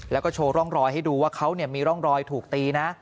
แล้วก็โชว์ร่องรอยให้ดูว่าเขามีร่องรอยถูกตีนะ